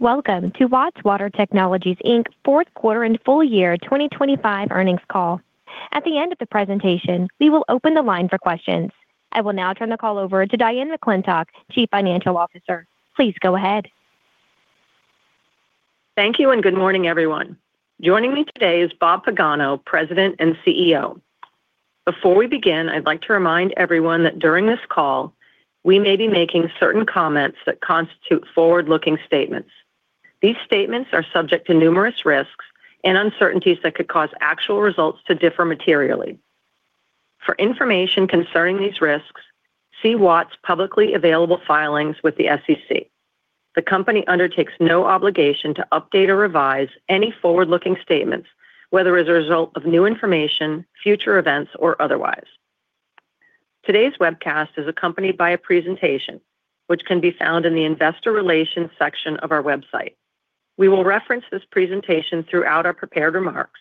Welcome to Watts Water Technologies, Inc. fourth quarter and full year 2025 earnings call. At the end of the presentation, we will open the line for questions. I will now turn the call over to Diane McClintock, Chief Financial Officer. Please go ahead. Thank you, and good morning, everyone. Joining me today is Bob Pagano, President and CEO. Before we begin, I'd like to remind everyone that during this call, we may be making certain comments that constitute forward-looking statements. These statements are subject to numerous risks and uncertainties that could cause actual results to differ materially. For information concerning these risks, see Watts' publicly available filings with the SEC. The company undertakes no obligation to update or revise any forward-looking statements, whether as a result of new information, future events, or otherwise. Today's webcast is accompanied by a presentation which can be found in the Investor Relations section of our website. We will reference this presentation throughout our prepared remarks.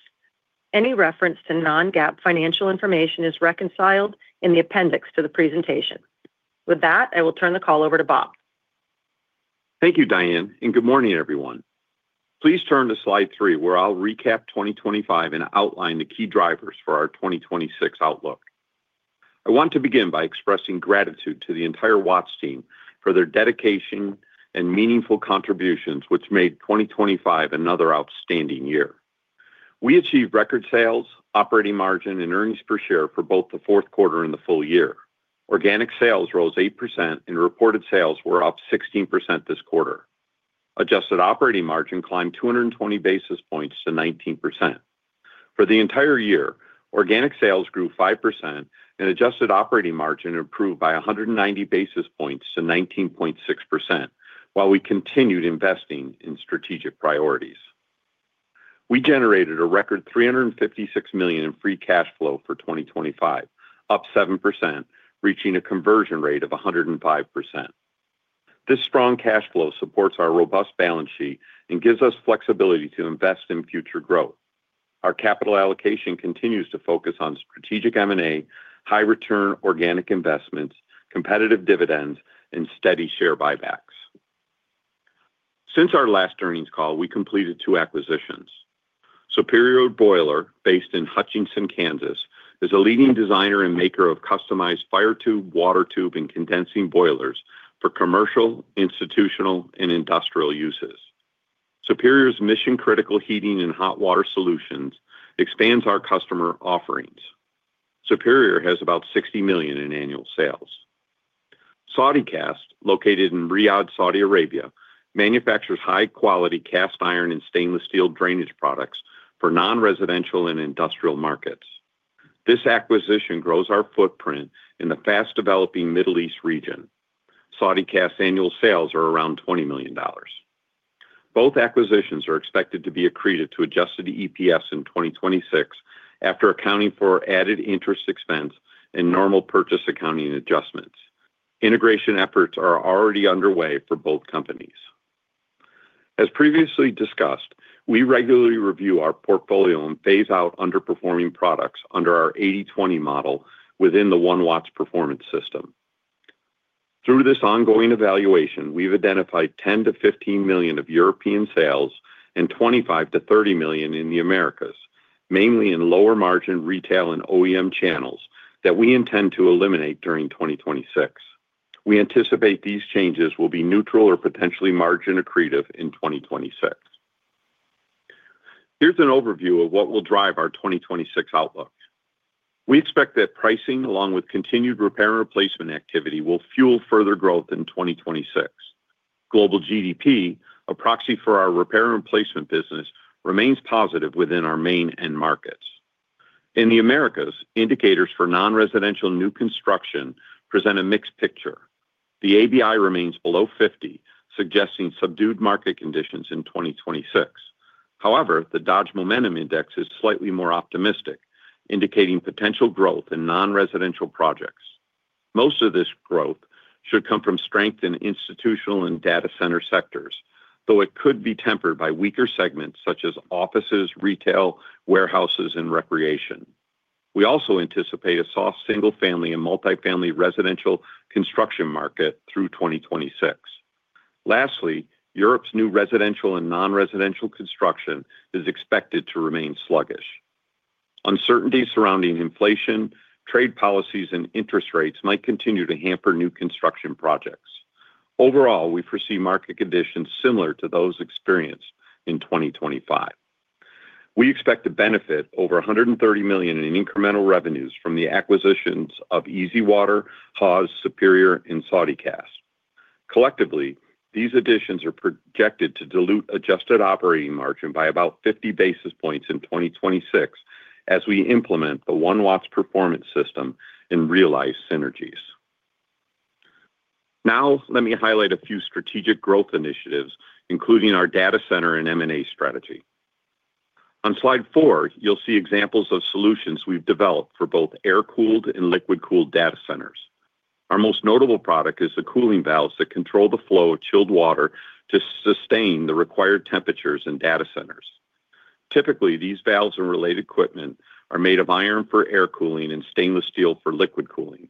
Any reference to non-GAAP financial information is reconciled in the appendix to the presentation. With that, I will turn the call over to Bob. Thank you, Diane, and good morning, everyone. Please turn to slide three, where I'll recap 2025 and outline the key drivers for our 2026 outlook. I want to begin by expressing gratitude to the entire Watts team for their dedication and meaningful contributions, which made 2025 another outstanding year. We achieved record sales, operating margin, and earnings per share for both the fourth quarter and the full year. Organic sales rose 8%, and reported sales were up 16% this quarter. Adjusted operating margin climbed 220 basis points to 19%. For the entire year, organic sales grew 5% and adjusted operating margin improved by 190 basis points to 19.6% while we continued investing in strategic priorities. We generated a record $356 million in free cash flow for 2025, up 7%, reaching a conversion rate of 105%. This strong cash flow supports our robust balance sheet and gives us flexibility to invest in future growth. Our capital allocation continues to focus on strategic M&A, high-return organic investments, competitive dividends, and steady share buybacks. Since our last earnings call, we completed two acquisitions. Superior Boiler, based in Hutchinson, Kansas, is a leading designer and maker of customized fire tube, water tube, and condensing boilers for commercial, institutional, and industrial uses. Superior's mission-critical heating and hot water solutions expands our customer offerings. Superior has about $60 million in annual sales. Saudi Cast, located in Riyadh, Saudi Arabia, manufactures high-quality cast iron and stainless steel drainage products for non-residential and industrial markets. This acquisition grows our footprint in the fast-developing Middle East region. Saudi Cast's annual sales are around $20 million. Both acquisitions are expected to be accretive to Adjusted EPS in 2026 after accounting for added interest expense and normal purchase accounting adjustments. Integration efforts are already underway for both companies. As previously discussed, we regularly review our portfolio and phase out underperforming products under our 80/20 model within the One Watts Performance System. Through this ongoing evaluation, we've identified $10-15 million of European sales and $25-30 million in the Americas, mainly in lower-margin retail and OEM channels that we intend to eliminate during 2026. We anticipate these changes will be neutral or potentially margin accretive in 2026. Here's an overview of what will drive our 2026 outlook. We expect that pricing, along with continued repair and replacement activity, will fuel further growth in 2026. Global GDP, a proxy for our repair and replacement business, remains positive within our main end markets. In the Americas, indicators for non-residential new construction present a mixed picture. The ABI remains below 50, suggesting subdued market conditions in 2026. However, the Dodge Momentum Index is slightly more optimistic, indicating potential growth in non-residential projects. Most of this growth should come from strength in institutional and data center sectors, though it could be tempered by weaker segments such as offices, retail, warehouses, and recreation. We also anticipate a soft single-family and multifamily residential construction market through 2026. Lastly, Europe's new residential and non-residential construction is expected to remain sluggish. Uncertainties surrounding inflation, trade policies, and interest rates might continue to hamper new construction projects. Overall, we foresee market conditions similar to those experienced in 2025. We expect to benefit over $130 million in incremental revenues from the acquisitions of EasyWater, Haws, Superior, and Saudi Cast. Collectively, these additions are projected to dilute Adjusted Operating Margin by about 50 basis points in 2026 as we implement the One Watts Performance System and realize synergies. Now, let me highlight a few strategic growth initiatives, including our data center and M&A strategy. On slide four, you'll see examples of solutions we've developed for both air-cooled and liquid-cooled data centers. Our most notable product is the cooling valves that control the flow of chilled water to sustain the required temperatures in data centers. Typically, these valves and related equipment are made of iron for air cooling and stainless steel for liquid cooling.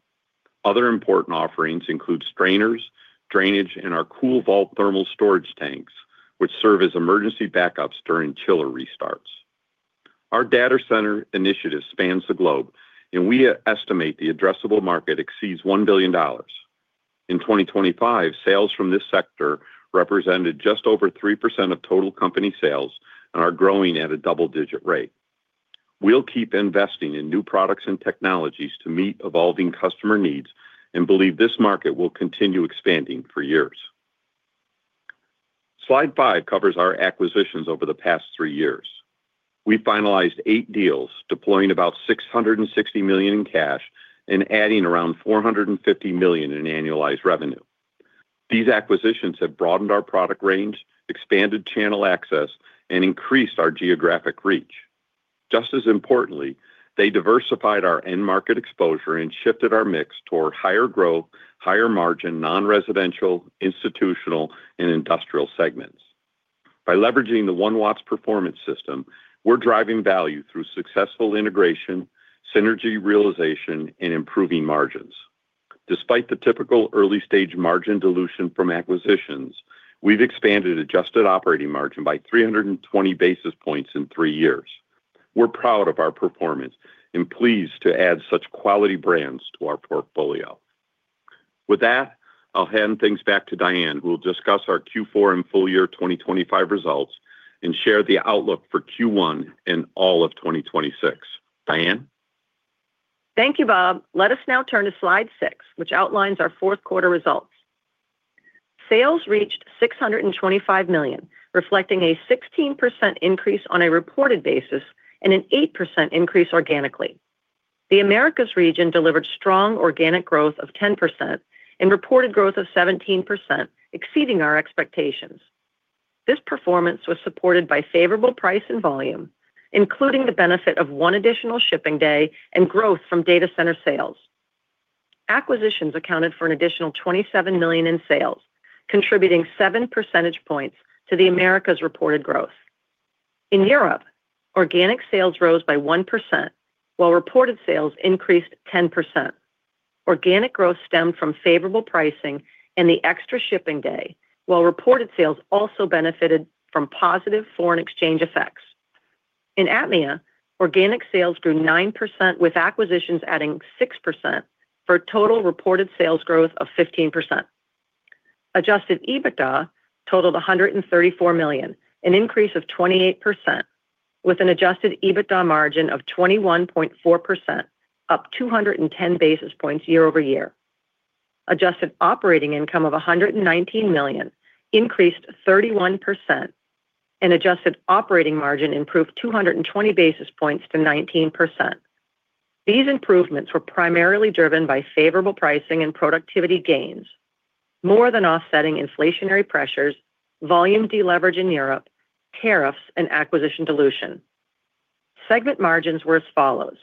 Other important offerings include strainers, drainage, and our CoolVault thermal storage tanks, which serve as emergency backups during chiller restarts. Our data center initiative spans the globe, and we estimate the addressable market exceeds $1 billion. In 2025, sales from this sector represented just over 3% of total company sales and are growing at a double-digit rate. We'll keep investing in new products and technologies to meet evolving customer needs and believe this market will continue expanding for years. Slide five covers our acquisitions over the past three years. We finalized eight deals, deploying about $660 million in cash and adding around $450 million in annualized revenue. These acquisitions have broadened our product range, expanded channel access, and increased our geographic reach. Just as importantly, they diversified our end market exposure and shifted our mix toward higher growth, higher margin, non-residential, institutional, and industrial segments. By leveraging the One Watts Performance System, we're driving value through successful integration, synergy realization, and improving margins. Despite the typical early-stage margin dilution from acquisitions, we've expanded adjusted operating margin by 320 basis points in three years. We're proud of our performance and pleased to add such quality brands to our portfolio. With that, I'll hand things back to Diane, who will discuss our Q4 and full year 2025 results and share the outlook for Q1 and all of 2026. Diane? Thank you, Bob. Let us now turn to slide six, which outlines our fourth quarter results. Sales reached $625 million, reflecting a 16% increase on a reported basis and an 8% increase organically. The Americas region delivered strong organic growth of 10% and reported growth of 17%, exceeding our expectations. This performance was supported by favorable price and volume, including the benefit of 1 additional shipping day and growth from data center sales. Acquisitions accounted for an additional $27 million in sales, contributing 7 percentage points to the Americas' reported growth. In Europe, organic sales rose by 1%, while reported sales increased 10%. Organic growth stemmed from favorable pricing and the extra shipping day, while reported sales also benefited from positive foreign exchange effects. In APMEA, organic sales grew 9%, with acquisitions adding 6% for a total reported sales growth of 15%. Adjusted EBITDA totaled $134 million, an increase of 28%, with an Adjusted EBITDA margin of 21.4%, up 210 basis points year-over-year. Adjusted operating income of $119 million increased 31%, and adjusted operating margin improved 220 basis points to 19%. These improvements were primarily driven by favorable pricing and productivity gains, more than offsetting inflationary pressures, volume deleverage in Europe, tariffs, and acquisition dilution. Segment margins were as follows: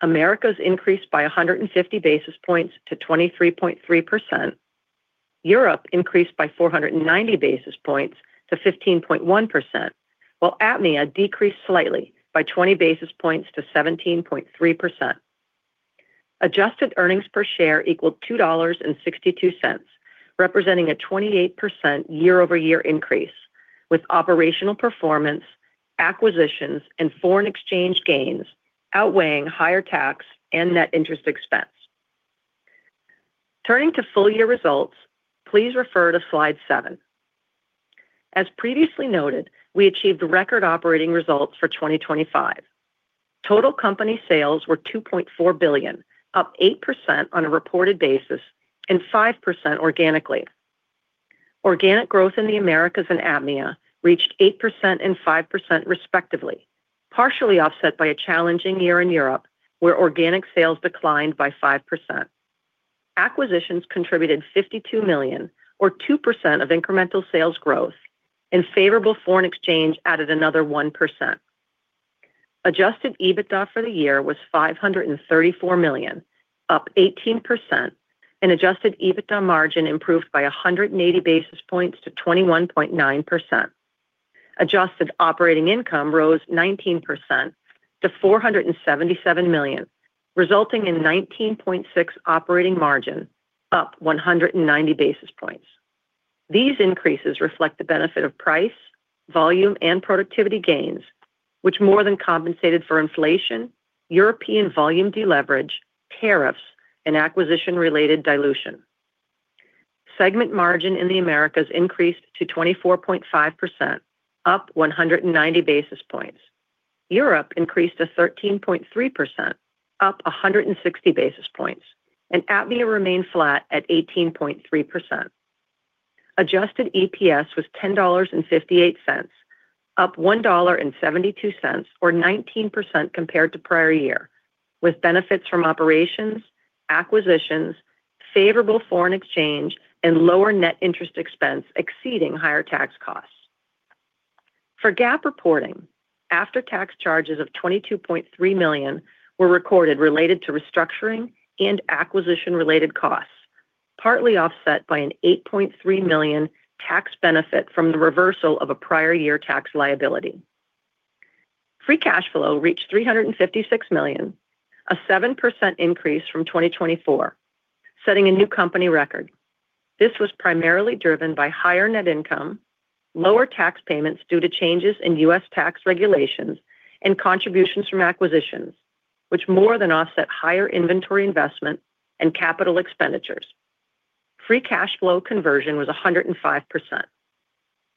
Americas increased by 150 basis points to 23.3%. Europe increased by 490 basis points to 15.1%, while APMEA decreased slightly by 20 basis points to 17.3%. Adjusted earnings per share equaled $2.62, representing a 28% year-over-year increase, with operational performance, acquisitions, and foreign exchange gains outweighing higher tax and net interest expense. Turning to full year results, please refer to slide seven. As previously noted, we achieved record operating results for 2025. Total company sales were $2.4 billion, up 8% on a reported basis and 5% organically. Organic growth in the Americas and APMEA reached 8% and 5%, respectively, partially offset by a challenging year in Europe, where organic sales declined by 5%. Acquisitions contributed $52 million, or 2% of incremental sales growth, and favorable foreign exchange added another 1%. Adjusted EBITDA for the year was $534 million, up 18%, and Adjusted EBITDA margin improved by 180 basis points to 21.9%. Adjusted operating income rose 19% to $477 million, resulting in 19.6 operating margin, up 190 basis points. These increases reflect the benefit of price, volume, and productivity gains, which more than compensated for inflation, European volume deleverage, tariffs, and acquisition-related dilution. Segment margin in the Americas increased to 24.5%, up 190 basis points. Europe increased to 13.3%, up 160 basis points, and APMEA remained flat at 18.3%. Adjusted EPS was $10.58, up $1.72 or 19% compared to prior year, with benefits from operations, acquisitions, favorable foreign exchange, and lower net interest expense exceeding higher tax costs. For GAAP reporting, after-tax charges of $22.3 million were recorded related to restructuring and acquisition-related costs. Partly offset by an $8.3 million tax benefit from the reversal of a prior year tax liability. Free cash flow reached $356 million, a 7% increase from 2024, setting a new company record. This was primarily driven by higher net income, lower tax payments due to changes in U.S. tax regulations, and contributions from acquisitions, which more than offset higher inventory investment and capital expenditures. Free cash flow conversion was 105%.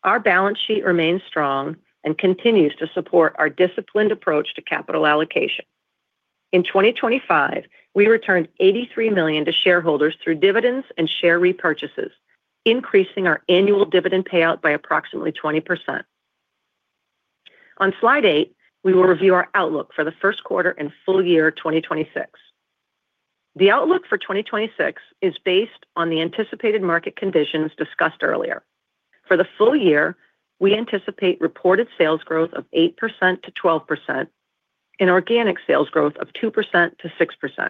Our balance sheet remains strong and continues to support our disciplined approach to capital allocation. In 2025, we returned $83 million to shareholders through dividends and share repurchases, increasing our annual dividend payout by approximately 20%. On slide eight, we will review our outlook for the first quarter and full year 2026. The outlook for 2026 is based on the anticipated market conditions discussed earlier. For the full year, we anticipate reported sales growth of 8%-12% and organic sales growth of 2%-6%.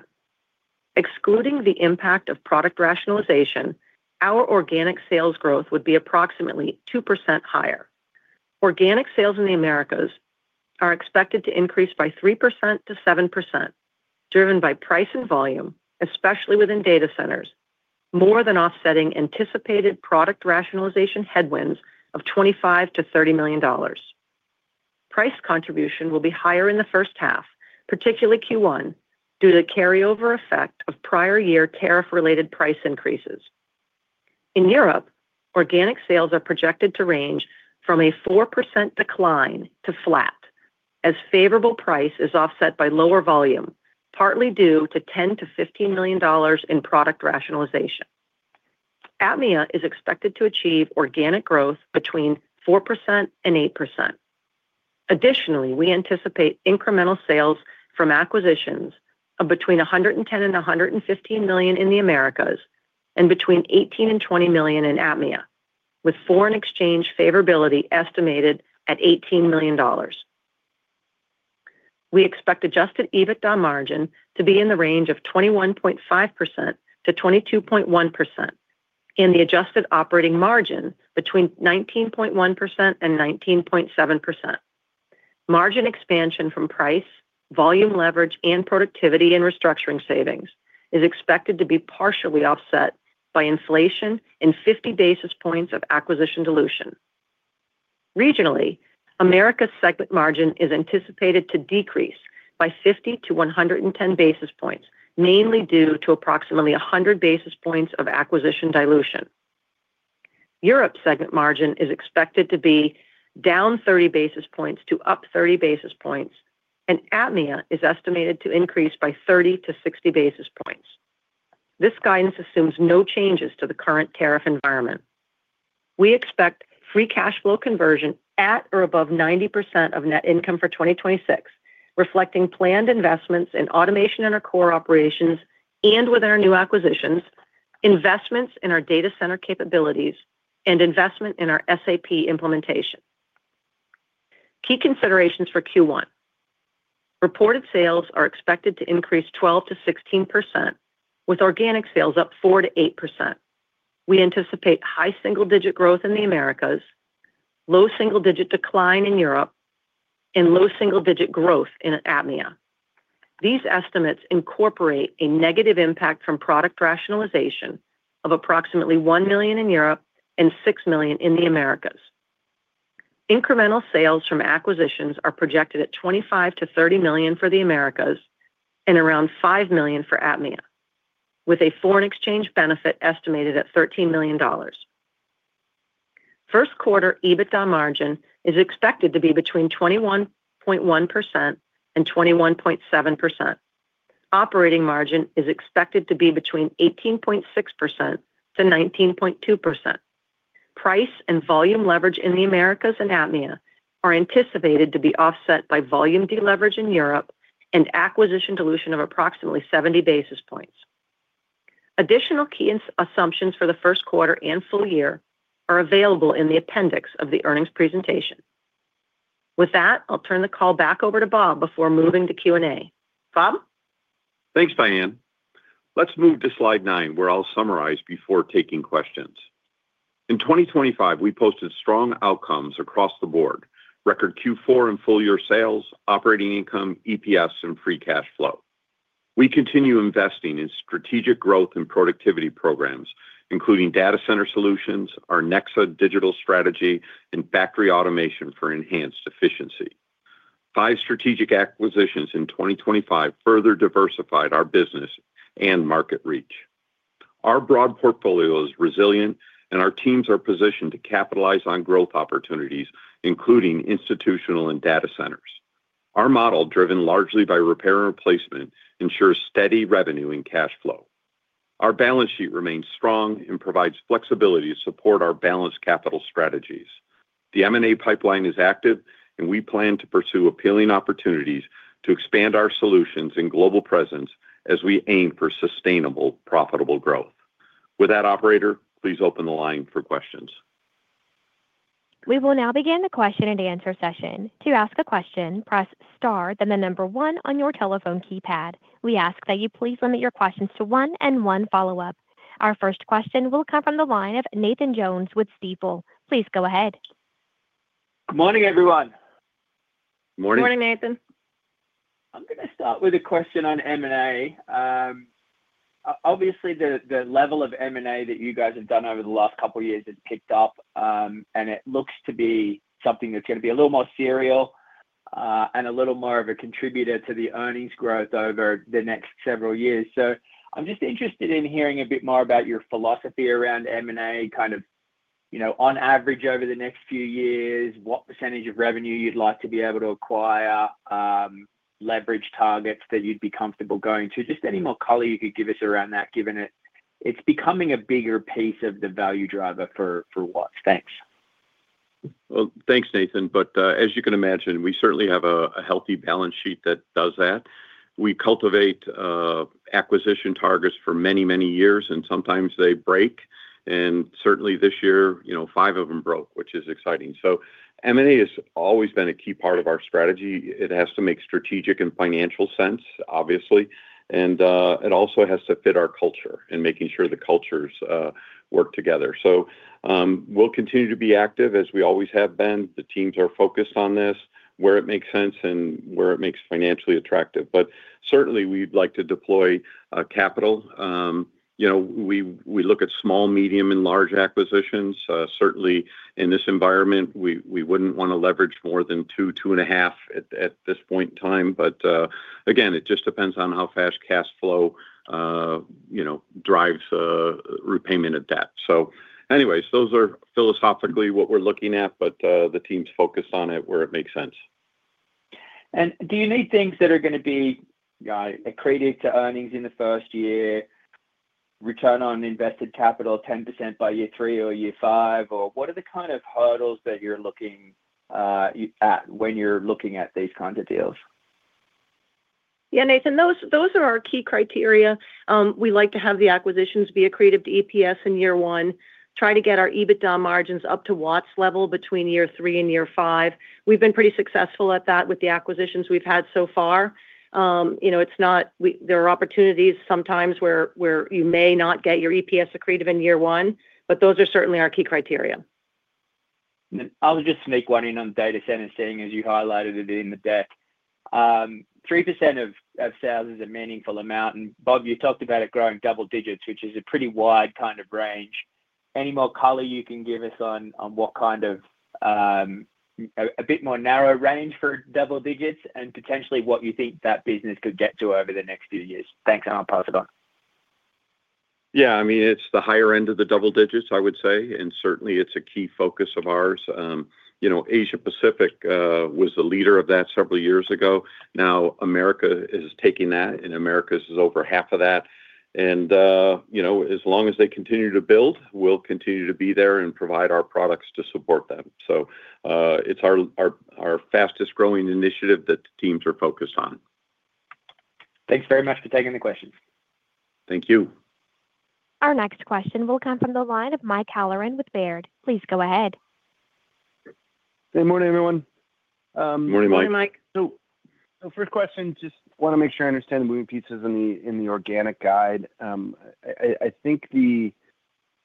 Excluding the impact of product rationalization, our organic sales growth would be approximately 2% higher. Organic sales in the Americas are expected to increase by 3%-7%, driven by price and volume, especially within data centers, more than offsetting anticipated product rationalization headwinds of $25 million-$30 million. Price contribution will be higher in the first half, particularly Q1, due to the carryover effect of prior year tariff-related price increases. In Europe, organic sales are projected to range from a 4% decline to flat, as favorable price is offset by lower volume, partly due to $10 million-$15 million in product rationalization. APMEA is expected to achieve organic growth between 4% and 8%. Additionally, we anticipate incremental sales from acquisitions of between $110 million and $115 million in the Americas and between $18 million and $20 million in APMEA, with foreign exchange favorability estimated at $18 million. We expect adjusted EBITDA margin to be in the range of 21.5%-22.1%, and the adjusted operating margin between 19.1% and 19.7%. Margin expansion from price, volume leverage, and productivity and restructuring savings is expected to be partially offset by inflation and 50 basis points of acquisition dilution. Regionally, Americas segment margin is anticipated to decrease by 50-110 basis points, mainly due to approximately 100 basis points of acquisition dilution. Europe's segment margin is expected to be down 30 basis points to up 30 basis points, and APMEA is estimated to increase by 30-60 basis points. This guidance assumes no changes to the current tariff environment. We expect free cash flow conversion at or above 90% of net income for 2026, reflecting planned investments in automation in our core operations and with our new acquisitions, investments in our data center capabilities, and investment in our SAP implementation. Key considerations for Q1: Reported sales are expected to increase 12%-16%, with organic sales up 4%-8%. We anticipate high single-digit growth in the Americas, low single-digit decline in Europe, and low single-digit growth in APMEA. These estimates incorporate a negative impact from product rationalization of approximately $1 million in Europe and $6 million in the Americas. Incremental sales from acquisitions are projected at $25 million-$30 million for the Americas and around $5 million for APMEA, with a foreign exchange benefit estimated at $13 million. First quarter EBITDA margin is expected to be between 21.1% and 21.7%. Operating margin is expected to be between 18.6% to 19.2%. Price and volume leverage in the Americas and APMEA are anticipated to be offset by volume deleverage in Europe and acquisition dilution of approximately seventy basis points. Additional key assumptions for the first quarter and full year are available in the appendix of the earnings presentation. With that, I'll turn the call back over to Bob before moving to Q&A. Bob? Thanks, Diane. Let's move to slide nine, where I'll summarize before taking questions. In 2025, we posted strong outcomes across the board, record Q4 and full year sales, operating income, EPS, and free cash flow. We continue investing in strategic growth and productivity programs, including data center solutions, our Nexa digital strategy, and factory automation for enhanced efficiency. 5 strategic acquisitions in 2025 further diversified our business and market reach. Our broad portfolio is resilient, and our teams are positioned to capitalize on growth opportunities, including institutional and data centers. Our model, driven largely by repair and replacement, ensures steady revenue and cash flow. Our balance sheet remains strong and provides flexibility to support our balanced capital strategies. The M&A pipeline is active, and we plan to pursue appealing opportunities to expand our solutions and global presence as we aim for sustainable, profitable growth. With that, operator, please open the line for questions. We will now begin the question and answer session. To ask a question, press star, then the number one on your telephone keypad. We ask that you please limit your questions to one and one follow-up. Our first question will come from the line of Nathan Jones with Stifel. Please go ahead. Good morning, everyone. Good morning. Good morning, Nathan. I'm gonna start with a question on M&A. Obviously, the level of M&A that you guys have done over the last couple of years has kicked off, and it looks to be something that's gonna be a little more serial, and a little more of a contributor to the earnings growth over the next several years. So I'm just interested in hearing a bit more about your philosophy around M&A, kind of, you know, on average, over the next few years, what percentage of revenue you'd like to be able to acquire, leverage targets that you'd be comfortable going to? Just any more color you could give us around that, given it, it's becoming a bigger piece of the value driver for Watts. Thanks. Well, thanks, Nathan. But, as you can imagine, we certainly have a healthy balance sheet that does that. We cultivate acquisition targets for many, many years, and sometimes they break, and certainly this year, you know, five of them broke, which is exciting. So M&A has always been a key part of our strategy. It has to make strategic and financial sense, obviously, and it also has to fit our culture and making sure the cultures work together. So, we'll continue to be active, as we always have been. The teams are focused on this, where it makes sense and where it makes financially attractive. But certainly we'd like to deploy capital. You know, we look at small, medium, and large acquisitions. Certainly in this environment, we wouldn't want to leverage more than 2-2.5 at this point in time. But again, it just depends on how fast cash flow, you know, drives repayment of debt. So anyways, those are philosophically what we're looking at, but the team's focused on it where it makes sense. Do you need things that are gonna be accretive to earnings in the first year, return on invested capital 10% by year three or year five, or what are the kind of hurdles that you're looking at when you're looking at these kinds of deals? Yeah, Nathan, those are our key criteria. We like to have the acquisitions be accretive to EPS in year one, try to get our EBITDA margins up to Watts level between year three and year five. We've been pretty successful at that with the acquisitions we've had so far. You know, it's not. There are opportunities sometimes where you may not get your EPS accretive in year one, but those are certainly our key criteria. I'll just sneak one in on the data center, seeing as you highlighted it in the deck. Three percent of sales is a meaningful amount, and Bob, you talked about it growing double digits, which is a pretty wide kind of range. Any more color you can give us on what kind of a bit more narrow range for double digits and potentially what you think that business could get to over the next few years? Thanks, and I'll pass it on. Yeah, I mean, it's the higher end of the double digits, I would say, and certainly it's a key focus of ours. You know, Asia Pacific was the leader of that several years ago. Now, America is taking that, and Americas is over half of that. You know, as long as they continue to build, we'll continue to be there and provide our products to support them. So, it's our fastest-growing initiative that the teams are focused on. Thanks very much for taking the question. Thank you. Our next question will come from the line of Mike Halloran with Baird. Please go ahead. Good morning, everyone. Good morning, Mike. Good morning, Mike. So first question, just wanna make sure I understand the moving pieces in the organic guide. I think the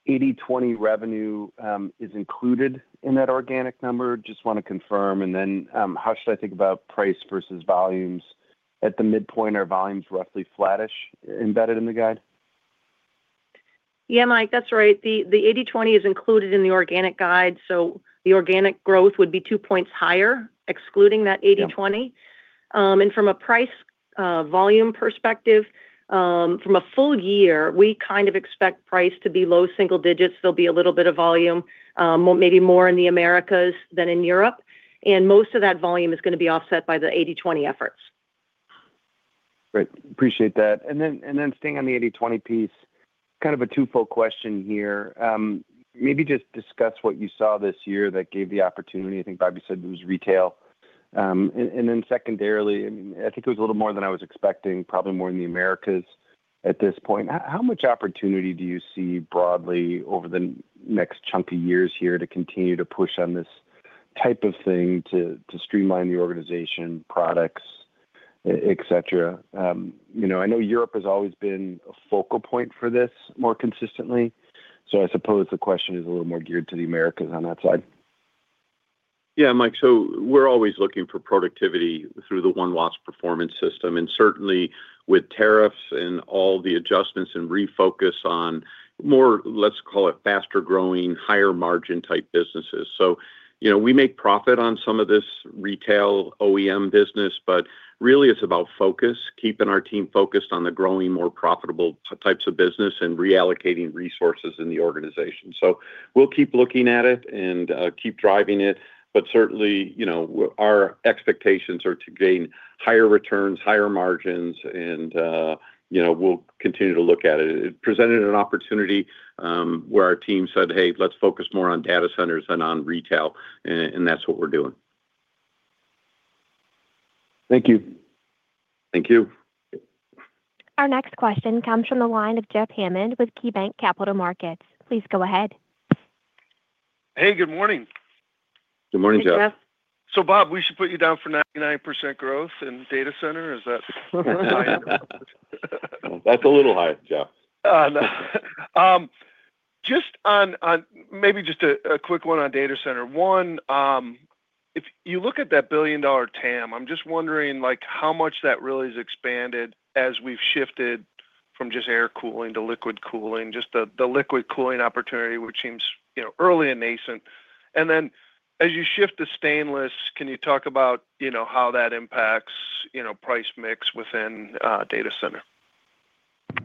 80/20 revenue is included in that organic number. Just wanna confirm, and then, how should I think about price versus volumes at the midpoint? Are volumes roughly flattish, embedded in the guide? Yeah, Mike, that's right. The 80/20 is included in the organic guide, so the organic growth would be 2 points higher, excluding that 80/20. Yeah. From a price, volume perspective, from a full year, we kind of expect price to be low single digits. There'll be a little bit of volume, maybe more in the Americas than in Europe, and most of that volume is gonna be offset by the 80/20 efforts. Great. Appreciate that. And then staying on the 80/20 piece, kind of a twofold question here. Maybe just discuss what you saw this year that gave the opportunity. I think Bobby said it was retail. And then secondarily, I think it was a little more than I was expecting, probably more in the Americas at this point. How much opportunity do you see broadly over the next chunk of years here to continue to push on this type of thing, to streamline the organization, products, et cetera? You know, I know Europe has always been a focal point for this more consistently, so I suppose the question is a little more geared to the Americas on that side. Yeah, Mike, so we're always looking for productivity through the One Watts Performance System, and certainly with tariffs and all the adjustments and refocus on more, let's call it faster-growing, higher-margin type businesses. So, you know, we make profit on some of this retail OEM business, but really it's about focus, keeping our team focused on the growing, more profitable types of business and reallocating resources in the organization. So we'll keep looking at it and keep driving it, but certainly, you know, our expectations are to gain higher returns, higher margins, and, you know, we'll continue to look at it. It presented an opportunity where our team said: Hey, let's focus more on data centers than on retail, and that's what we're doing. Thank you. Thank you. Our next question comes from the line of Jeff Hammond with KeyBanc Capital Markets. Please go ahead. Hey, good morning. Good morning, Jeff. Good morning, Jeff. So, Bob, we should put you down for 99% growth in data center? Is that right? That's a little high, Jeff. Just on maybe a quick one on data center. One, if you look at that $1 billion TAM, I'm just wondering, like, how much that really has expanded as we've shifted from just air cooling to liquid cooling, just the liquid cooling opportunity, which seems, you know, early and nascent. And then, as you shift to stainless, can you talk about, you know, how that impacts, you know, price mix within data center?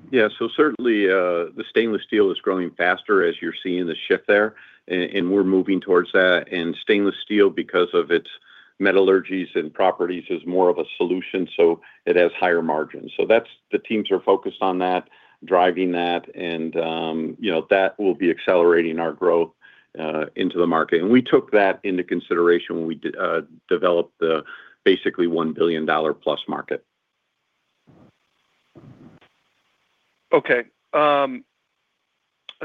Yeah. So certainly, the stainless steel is growing faster as you're seeing the shift there, and we're moving towards that. And stainless steel, because of its metallurgies and properties, is more of a solution, so it has higher margins. So that's... The teams are focused on that, driving that, and, you know, that will be accelerating our growth into the market. And we took that into consideration when we developed the basically $1 billion-plus market. Okay. And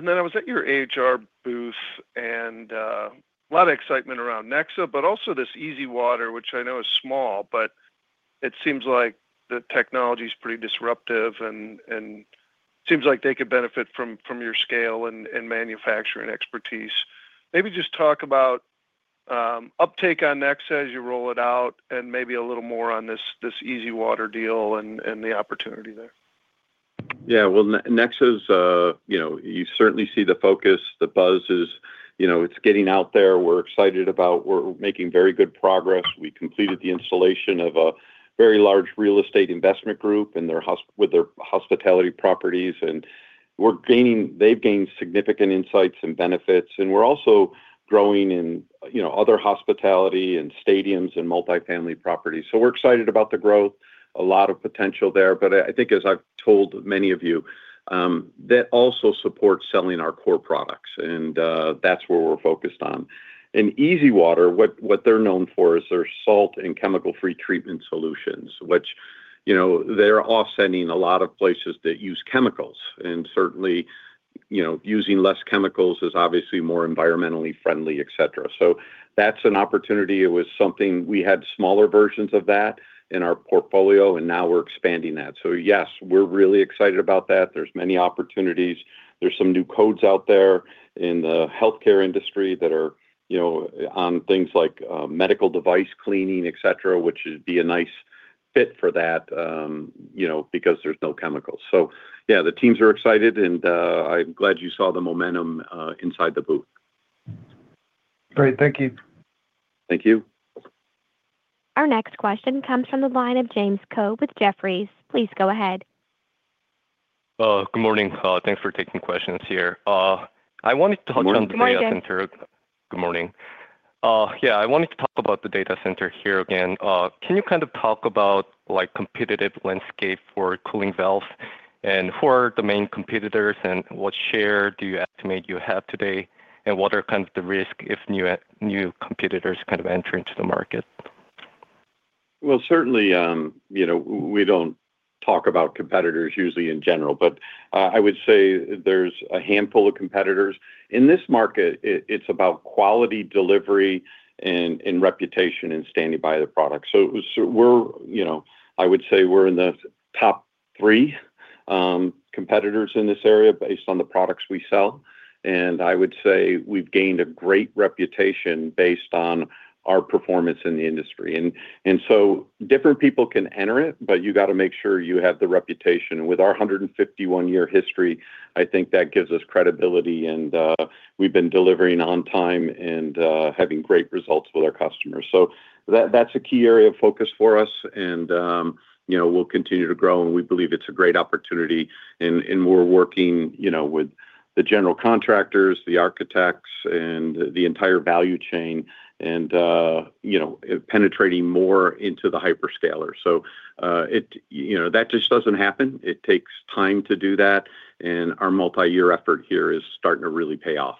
then I was at your HR booth, and a lot of excitement around Nexa, but also this EasyWater, which I know is small, but it seems like the technology's pretty disruptive and seems like they could benefit from your scale and manufacturing expertise. Maybe just talk about uptake on Nexa as you roll it out and maybe a little more on this EasyWater deal and the opportunity there. Yeah. Well, Nexa's, you know, you certainly see the focus. The buzz is, you know, it's getting out there. We're excited about. We're making very good progress. We completed the installation of a very large real estate investment group and their hospitality properties, and we're gaining. They've gained significant insights and benefits, and we're also growing in, you know, other hospitality and stadiums and multifamily properties. So we're excited about the growth, a lot of potential there. But I think, as I've told many of you, that also supports selling our core products, and that's where we're focused on. And EasyWater, what they're known for is their salt and chemical-free treatment solutions, which, you know, they're offsetting a lot of places that use chemicals, and certainly, you know, using less chemicals is obviously more environmentally friendly, et cetera. So that's an opportunity. It was something we had smaller versions of that in our portfolio, and now we're expanding that. So yes, we're really excited about that. There's many opportunities. There's some new codes out there in the healthcare industry that are, you know, things like, medical device cleaning, et cetera, which would be a nice fit for that, you know, because there's no chemicals. So yeah, the teams are excited, and, I'm glad you saw the momentum, inside the booth. Great. Thank you. Thank you. Our next question comes from the line of James Ko with Jefferies. Please go ahead. Good morning. Thanks for taking questions here. I wanted to talk about- Good morning. Good morning. Yeah, I wanted to talk about the data center here again. Can you kind of talk about, like, competitive landscape for cooling valves, and who are the main competitors, and what share do you estimate you have today? And what are kind of the risk if new competitors kind of enter into the market? Well, certainly, you know, we don't talk about competitors usually in general, but, I would say there's a handful of competitors. In this market, it's about quality, delivery, and reputation, and standing by the product. So we're... You know, I would say we're in the top three, competitors in this area based on the products we sell, and I would say we've gained a great reputation based on our performance in the industry. And so different people can enter it, but you got to make sure you have the reputation. With our 151-year history, I think that gives us credibility, and we've been delivering on time and having great results with our customers. So that's a key area of focus for us, and, you know, we'll continue to grow, and we believe it's a great opportunity. We're working, you know, with the general contractors, the architects, and the entire value chain, and you know, penetrating more into the hyperscaler. So, it... You know, that just doesn't happen. It takes time to do that, and our multi-year effort here is starting to really pay off.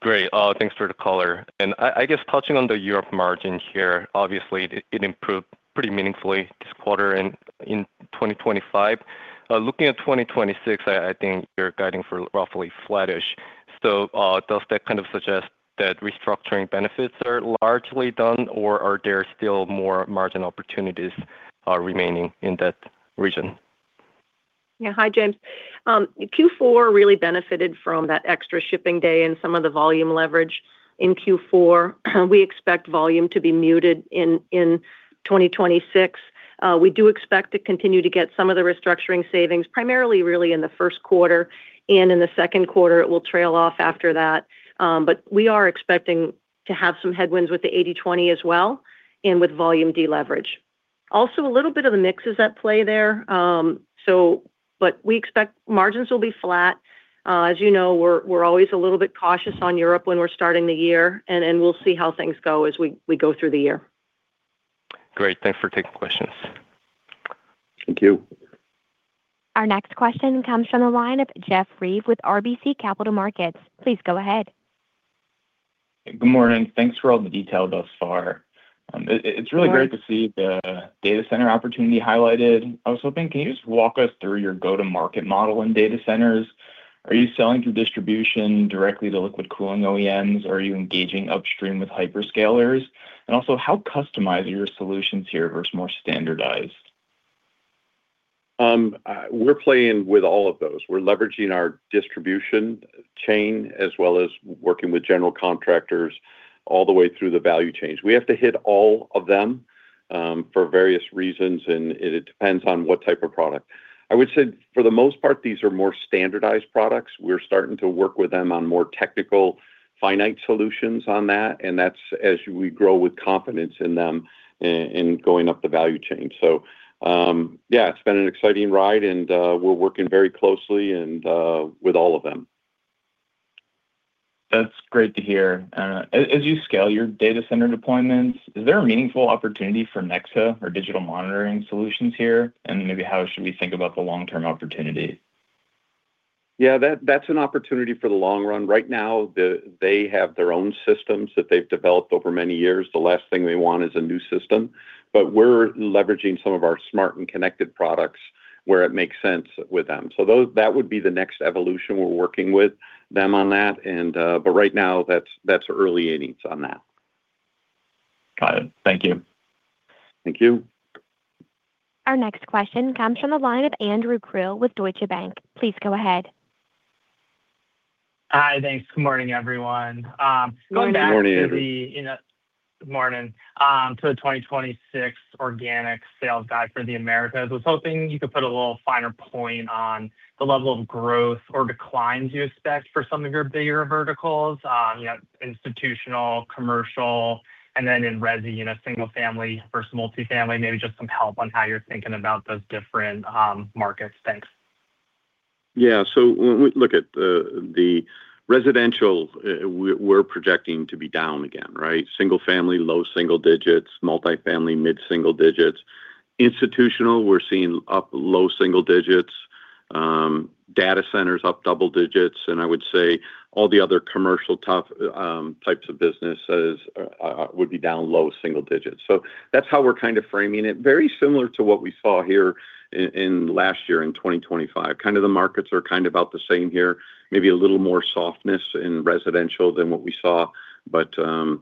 Great. Thanks for the color. And I guess touching on the Europe margin here, obviously, it improved pretty meaningfully this quarter and in 2025. Looking at 2026, I think you're guiding for roughly flattish. So, does that kind of suggest that restructuring benefits are largely done, or are there still more margin opportunities remaining in that region? Yeah. Hi, James. Q4 really benefited from that extra shipping day and some of the volume leverage in Q4. We expect volume to be muted in 2026. We do expect to continue to get some of the restructuring savings, primarily really in the first quarter, and in the second quarter, it will trail off after that. But we are expecting to have some headwinds with the 80/20 as well and with volume deleverage. Also, a little bit of the mix is at play there, so but we expect margins will be flat. As you know, we're always a little bit cautious on Europe when we're starting the year, and we'll see how things go as we go through the year. Great. Thanks for taking questions.... Thank you. Our next question comes from the line of Jeff Reeve with RBC Capital Markets. Please go ahead. Good morning. Thanks for all the detail thus far. It's really great to see the data center opportunity highlighted. I was hoping, can you just walk us through your go-to-market model in data centers? Are you selling through distribution directly to liquid cooling OEMs, or are you engaging upstream with hyperscalers? And also, how customized are your solutions here versus more standardized? We're playing with all of those. We're leveraging our distribution chain, as well as working with general contractors all the way through the value chains. We have to hit all of them, for various reasons, and it, it depends on what type of product. I would say, for the most part, these are more standardized products. We're starting to work with them on more technical, finite solutions on that, and that's as we grow with confidence in them in going up the value chain. So, yeah, it's been an exciting ride, and, we're working very closely and, with all of them. That's great to hear. As you scale your data center deployments, is there a meaningful opportunity for Nexa or digital monitoring solutions here? And maybe how should we think about the long-term opportunity? Yeah, that's an opportunity for the long run. Right now, they have their own systems that they've developed over many years. The last thing they want is a new system, but we're leveraging some of our smart and connected products where it makes sense with them. So that would be the next evolution. We're working with them on that, and but right now, that's early innings on that. Got it. Thank you. Thank you. Our next question comes from the line of Andrew Krill with Deutsche Bank. Please go ahead. Hi, thanks. Good morning, everyone. Going back- Good morning, Andrew. To the, you know... Good morning. To the 2026 organic sales guide for the Americas, I was hoping you could put a little finer point on the level of growth or declines you expect for some of your bigger verticals, you know, institutional, commercial, and then in resi, you know, single family versus multifamily. Maybe just some help on how you're thinking about those different markets. Thanks. Yeah. So when we look at the residential, we're projecting to be down again, right? Single family, low single digits, multifamily, mid single digits. Institutional, we're seeing up low single digits, data centers up double digits, and I would say all the other commercial tough types of businesses would be down low single digits. So that's how we're kind of framing it. Very similar to what we saw here in last year, in 2025. Kind of the markets are kind of about the same here, maybe a little more softness in residential than what we saw, but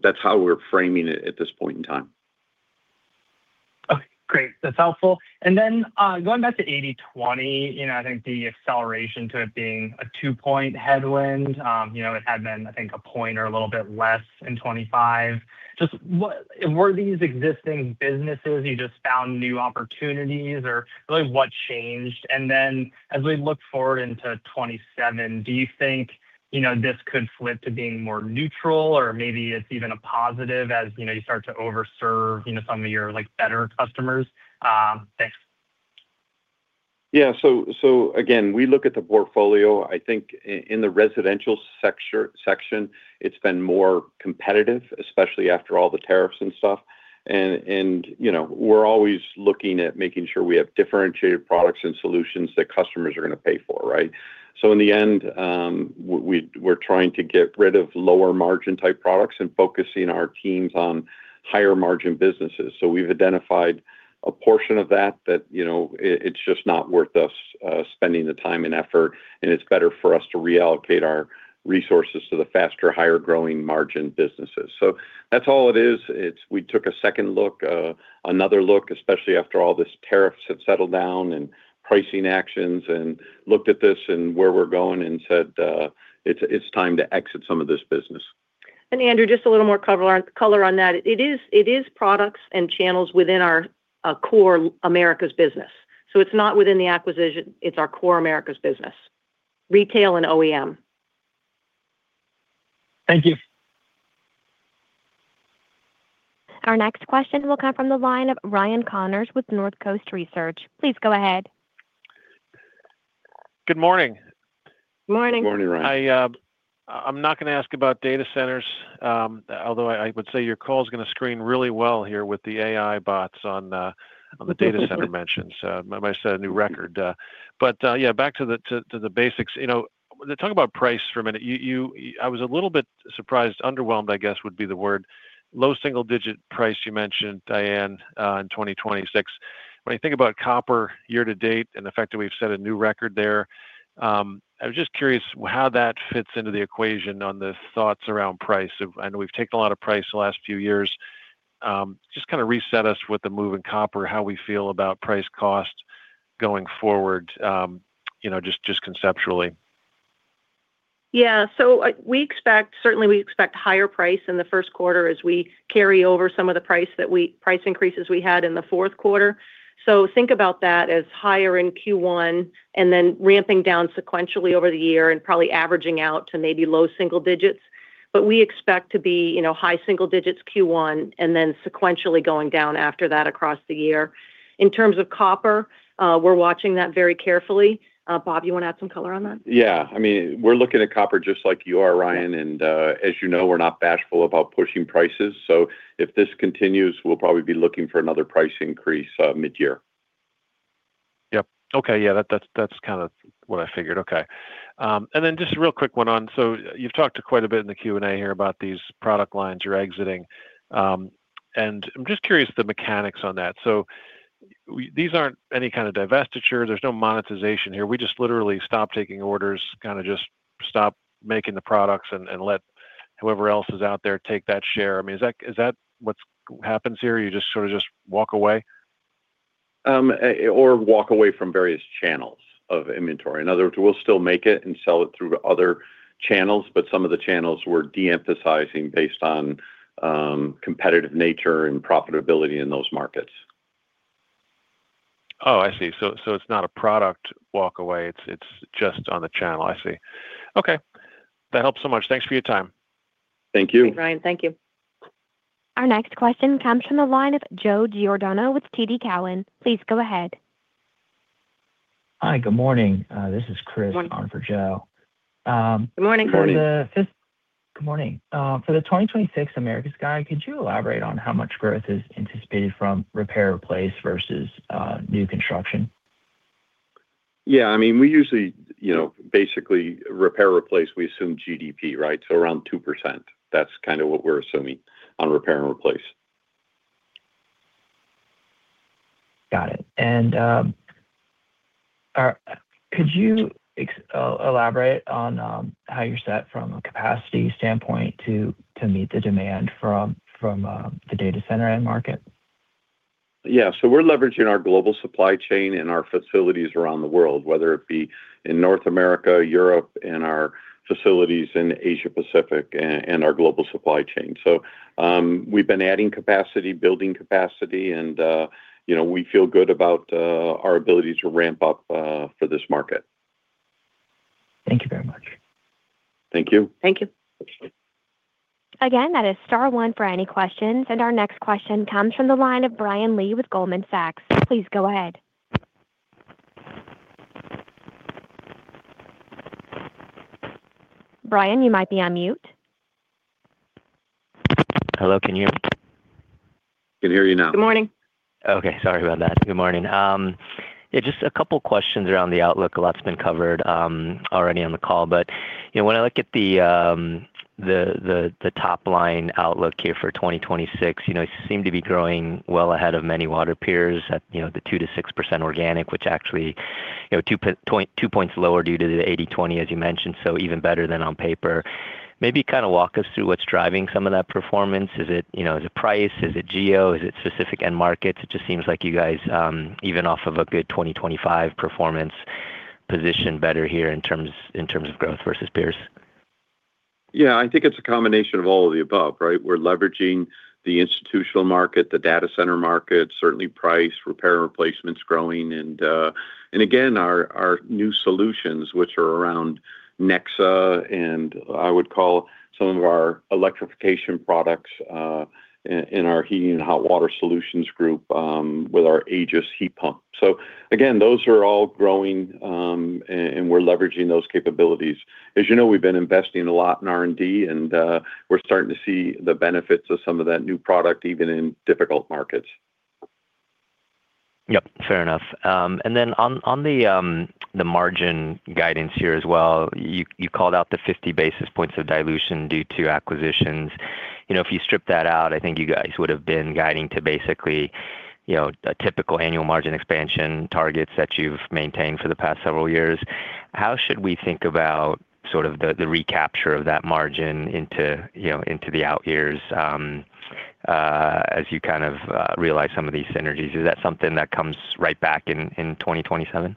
that's how we're framing it at this point in time. Okay, great. That's helpful. And then, going back to 80/20, you know, I think the acceleration to it being a 2-point headwind, you know, it had been, I think, 1 point or a little bit less in 2025. Just what-- were these existing businesses, you just found new opportunities, or really, what changed? And then, as we look forward into 2027, do you think, you know, this could flip to being more neutral, or maybe it's even a positive as, you know, you start to overserve, you know, some of your, like, better customers? Thanks. Yeah. So again, we look at the portfolio. I think in the residential section, it's been more competitive, especially after all the tariffs and stuff. And you know, we're always looking at making sure we have differentiated products and solutions that customers are going to pay for, right? So in the end, we're trying to get rid of lower margin type products and focusing our teams on higher margin businesses. So we've identified a portion of that, you know, it, it's just not worth us spending the time and effort, and it's better for us to reallocate our resources to the faster, higher growing margin businesses. So that's all it is. We took a second look, another look, especially after all these tariffs have settled down and pricing actions, and looked at this and where we're going and said, "It's, it's time to exit some of this business. Andrew, just a little more color on that. It is products and channels within our core Americas business. So it's not within the acquisition. It's our core Americas business, retail and OEM. Thank you. Our next question will come from the line of Ryan Connors with North Coast Research. Please go ahead. Good morning. Morning. Good morning, Ryan. I'm not going to ask about data centers, although I would say your call is going to screen really well here with the AI bots on the data center mentions. I might set a new record, but yeah, back to the basics. You know, talk about price for a minute. I was a little bit surprised, underwhelmed, I guess would be the word, low single-digit price, you mentioned, Diane, in 2026. When I think about copper year to date and the fact that we've set a new record there, I was just curious how that fits into the equation on the thoughts around price. I know we've taken a lot of price the last few years. Just kind of reset us with the move in copper, how we feel about price cost going forward, you know, just conceptually. Yeah. So, we expect—certainly, we expect higher price in the first quarter as we carry over some of the price that we—price increases we had in the fourth quarter. So think about that as higher in Q1 and then ramping down sequentially over the year and probably averaging out to maybe low single digits. But we expect to be, you know, high single digits Q1 and then sequentially going down after that across the year. In terms of copper, we're watching that very carefully. Bob, you want to add some color on that? Yeah. I mean, we're looking at copper just like you are, Ryan, and, as you know, we're not bashful about pushing prices. So if this continues, we'll probably be looking for another price increase, mid-year. Yep. Okay. Yeah, that, that's, that's kind of what I figured. Okay. And then just a real quick one on, so you've talked quite a bit in the Q&A here about these product lines you're exiting. And I'm just curious the mechanics on that. So these aren't any kind of divestiture. There's no monetization here. We just literally stop taking orders, kind of just stop making the products and let whoever else is out there take that share. I mean, is that what happens here? You just sort of just walk away? Or walk away from various channels of inventory. In other words, we'll still make it and sell it through other channels, but some of the channels we're de-emphasizing based on competitive nature and profitability in those markets. Oh, I see. So, so it's not a product walk away, it's, it's just on the channel. I see. Okay. That helps so much. Thanks for your time. Thank you. Thanks, Ryan. Thank you. Our next question comes from the line of Joe Giordano with TD Cowen. Please go ahead. Hi, good morning. This is Chris- Morning. On for Joe. Good morning, Chris. Morning. Good morning. For the 2026 Americas guidance, could you elaborate on how much growth is anticipated from repair replace versus new construction? Yeah, I mean, we usually, you know, basically repair or replace, we assume GDP, right? So around 2%. That's kind of what we're assuming on repair and replace. Got it. And, could you elaborate on how you're set from a capacity standpoint to meet the demand from the data center end market? Yeah. So we're leveraging our global supply chain and our facilities around the world, whether it be in North America, Europe, and our facilities in Asia-Pacific, and our global supply chain. So, we've been adding capacity, building capacity, and, you know, we feel good about our ability to ramp up for this market. Thank you very much. Thank you. Thank you. Again, that is star one for any questions, and our next question comes from the line of Brian Lee with Goldman Sachs. Please go ahead. Brian, you might be on mute. Hello, can you hear me? Can hear you now. Good morning. Okay, sorry about that. Good morning. Yeah, just a couple questions around the outlook. A lot's been covered already on the call, but you know, when I look at the top line outlook here for 2026, you know, you seem to be growing well ahead of many water peers at, you know, the 2%-6% organic, which actually, you know, 2 points lower due to the 80/20, as you mentioned, so even better than on paper. Maybe kind of walk us through what's driving some of that performance. Is it, you know, is it price? Is it geo? Is it specific end markets? It just seems like you guys even off of a good 2025 performance, positioned better here in terms, in terms of growth versus peers. Yeah, I think it's a combination of all of the above, right? We're leveraging the institutional market, the data center market, certainly price, repair, and replacement is growing, and again, our new solutions, which are around Nexa, and I would call some of our electrification products in our heating and hot water solutions group with our Aegis heat pump. So again, those are all growing, and we're leveraging those capabilities. As you know, we've been investing a lot in R&D, and we're starting to see the benefits of some of that new product, even in difficult markets. Yep, fair enough. And then on the margin guidance here as well, you called out the 50 basis points of dilution due to acquisitions. You know, if you strip that out, I think you guys would have been guiding to basically, you know, a typical annual margin expansion targets that you've maintained for the past several years. How should we think about sort of the recapture of that margin into, you know, into the out years, as you kind of realize some of these synergies? Is that something that comes right back in, in 2027?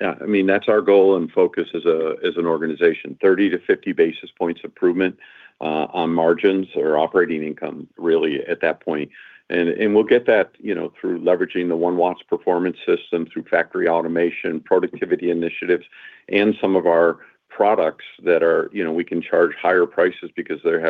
Yeah, I mean, that's our goal and focus as an organization. 30-50 basis points improvement on margins or operating income, really, at that point. We'll get that, you know, through leveraging the One Watts Performance System, through factory automation, productivity initiatives, and some of our products that are... You know, we can charge higher prices because they're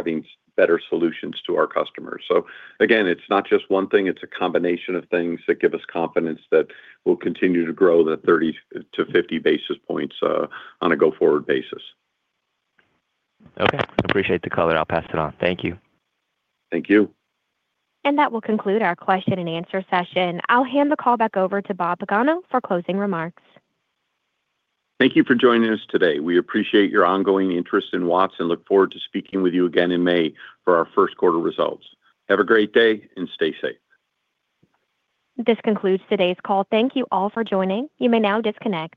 having better solutions to our customers. So again, it's not just one thing, it's a combination of things that give us confidence that we'll continue to grow the 30-50 basis points on a go-forward basis. Okay. Appreciate the color. I'll pass it on. Thank you. Thank you. That will conclude our question and answer session. I'll hand the call back over to Bob Pagano for closing remarks. Thank you for joining us today. We appreciate your ongoing interest in Watts and look forward to speaking with you again in May for our first quarter results. Have a great day, and stay safe. This concludes today's call. Thank you all for joining. You may now disconnect.